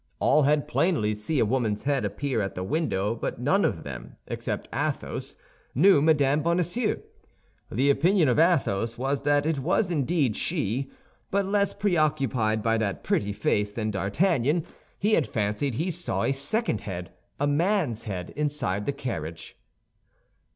All had plainly seen a woman's head appear at the window, but none of them, except Athos, knew Mme. Bonacieux. The opinion of Athos was that it was indeed she; but less preoccupied by that pretty face than D'Artagnan, he had fancied he saw a second head, a man's head, inside the carriage.